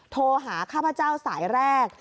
โทรหาข้าพเจ้าสายแรก